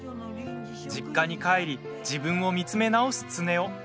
実家に帰り自分を見つめ直す常雄。